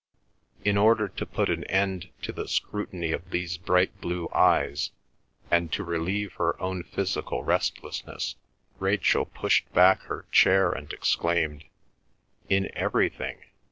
In order to put an end to the scrutiny of these bright blue eyes, and to relieve her own physical restlessness, Rachel pushed back her chair and exclaimed, "In everything!"